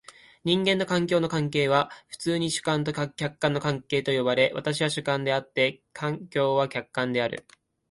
人間と環境の関係は普通に主観と客観の関係と呼ばれ、私は主観であって、環境は客観である。